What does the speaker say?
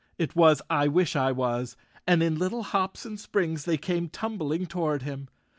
It was I wish I was, and in little hops and springs they came tumbling toward him.